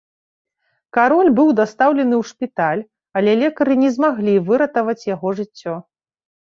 Кароль быў дастаўлены ў шпіталь, але лекары не змаглі выратаваць яго жыццё.